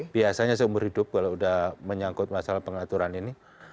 biasanya seumur hidup kalau sudah menyangkut masalah pengaturan ini